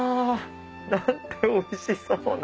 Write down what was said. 何ておいしそうな！